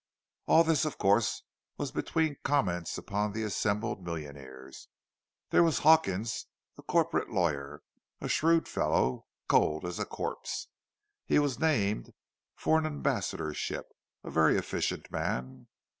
All this, of course, was between comments upon the assembled millionaires. There was Hawkins, the corporation lawyer; a shrewd fellow, cold as a corpse. He was named for an ambassadorship—a very efficient man.